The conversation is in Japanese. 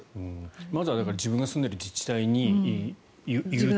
まずは自分が住んでいる自治体に言うと。